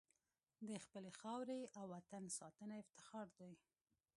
د خپلې خاورې او وطن ساتنه افتخار دی.